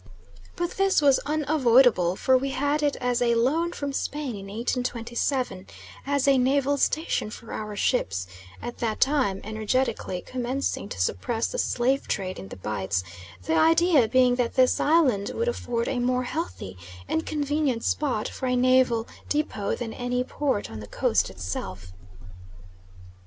But this was unavoidable, for we had it as a loan from Spain in 1827 as a naval station for our ships, at that time energetically commencing to suppress the slave trade in the Bights; the idea being that this island would afford a more healthy and convenient spot for a naval depot than any port on the coast itself.